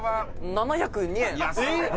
７０２円？